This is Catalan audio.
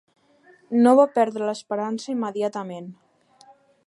No va perdre l'esperança immediatament.